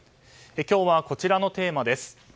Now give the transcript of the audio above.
今日はこちらのテーマです。